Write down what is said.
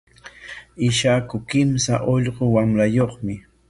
Ishaku kimsa ullqu wamrayuqmi.